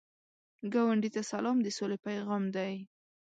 ګاونډي ته سلام، د سولې پیغام دی